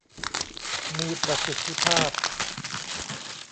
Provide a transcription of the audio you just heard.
มีประสิทธิภาพ